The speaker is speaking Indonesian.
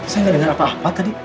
saya nggak dengar apa apa tadi